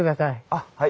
あっはい。